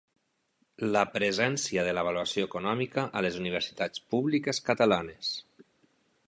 La presència de l'avaluació econòmica a les universitats públiques catalanes.